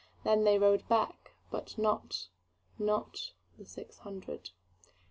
Then they rode back, but notNot the six hundred.